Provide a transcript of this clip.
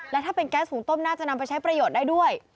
และถ้าเป็นแก๊สหุงต้มน่าจะนำไปใช้ประโยชน์ได้ด้วย